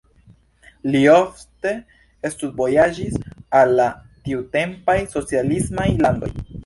Li ofte studvojaĝis al la tiutempaj socialismaj landoj.